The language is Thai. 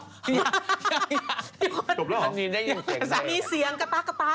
น่ะมีเสียงกระปรากกระปราก